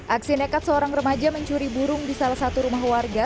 aksi nekat seorang remaja mencuri burung di salah satu rumah warga